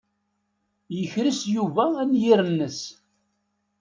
Yekres Yuba anyir-nnes.